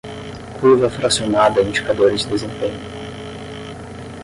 curva fracionada indicadores de desempenho